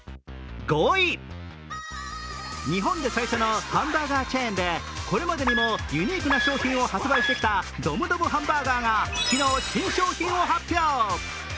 日本で最初のハンバーガーチェーンでこれまでにもユニークな商品を発売してきたドムドムハンバーガーが昨日、新商品を発表。